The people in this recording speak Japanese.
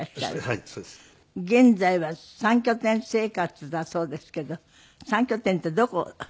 はいそうです。現在は３拠点生活だそうですけど３拠点ってどこ？